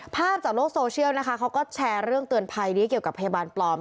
จากโลกโซเชียลนะคะเขาก็แชร์เรื่องเตือนภัยนี้เกี่ยวกับพยาบาลปลอม